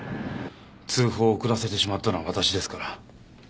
通報を遅らせてしまったのはわたしですから。